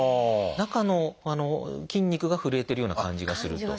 中の筋肉がふるえてるような感じがすると。